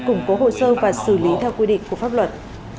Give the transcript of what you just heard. củng cố hồ sơ và xử lý theo quy định của pháp luật